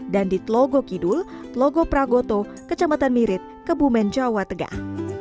dan di tlogokidul tlogokragoto kecamatan mirit kebumen jawa tegah